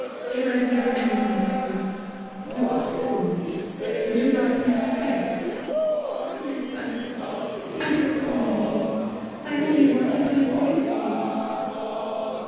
Can I be of any use to you? You asked for me. Would you like me to stay?" "No, thanks. I don't want anything. I only wanted to embrace you."